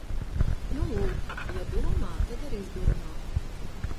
Nu lūk, ja domā, tad ar’ izdomā.